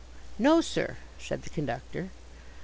"No, sir," said the conductor.